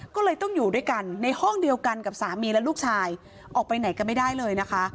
ก็เลยต้องอยู่ด้วยกันในห้องเดียวกันกับสามีและลูกชายออกไปไหนกันไม่ได้เลยนะคะ